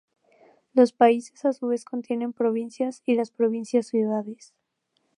Los países a su vez contienen provincias y las provincias ciudades.